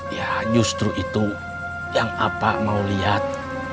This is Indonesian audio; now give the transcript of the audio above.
ya justru itu yang apa mau lihat